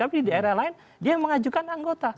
tapi di daerah lain dia mengajukan anggota